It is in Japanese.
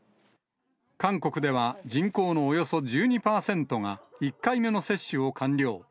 韓国では人口のおよそ１２％が１回目の接種を完了。